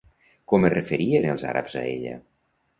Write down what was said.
Com es referien els àrabs a ella?